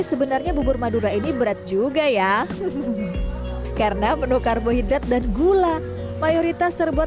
sebenarnya bubur madura ini berat juga ya karena penuh karbohidrat dan gula mayoritas terbuat